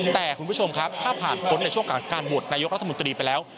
แต่คุณผู้ชมครับถ้าผ่านพ้นในช่วงการโหวตนายกรัฐมนตรีไปแล้ว